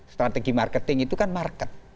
strategi marketing itu kan market